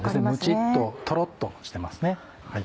ムチっとトロっとしてますね。